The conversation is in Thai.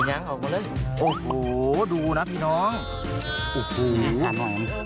บางคนมาก